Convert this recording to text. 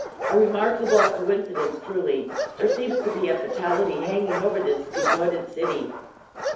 "A remarkable coincidence, truly. There seems to be a fatality hanging over this devoted city."